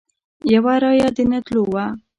یو رایه د نه تلو وه.